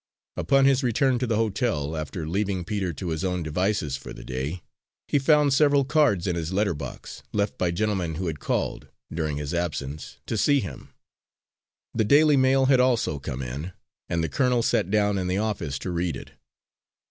Upon his return to the hotel, after leaving Peter to his own devices for the day, he found several cards in his letter box, left by gentlemen who had called, during his absence, to see him. The daily mail had also come in, and the colonel sat down in the office to read it.